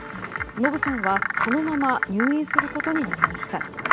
ノブさんは、そのまま入院することになりました。